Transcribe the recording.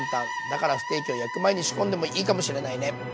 だからステーキを焼く前に仕込んでもいいかもしれないね。